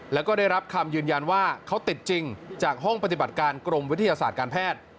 แล้วก็ได้รับคำยืนยันว่าเขาติดจริงจากห้องปฏิบัติการกรมวิทยาศาสตร์การแพทย์